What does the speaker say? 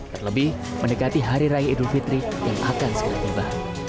terlebih mendekati hari raya idul fitri yang akan segera tiba